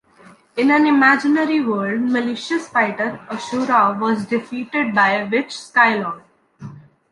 In an imaginary world, malicious fighter Ashura was defeated by Witch Skylord.